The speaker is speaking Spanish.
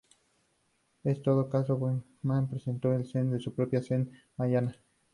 En todo caso, Bodhidharma presentó un Zen de su propia Zen, Mahayana.